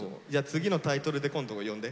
次のタイトルで今度呼んで。